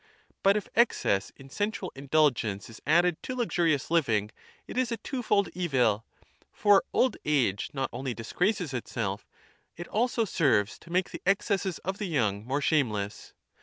But if excess in sensual indulgence is added to luxurious living, it is a twofold evil; for old age not only disgraces itself; it also serves to make the excesses of the young more shameless.